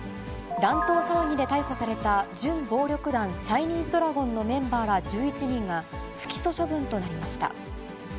乱闘騒ぎで逮捕された、準暴力団チャイニーズドラゴンのメンバーら１１人が、不起訴処分となりました。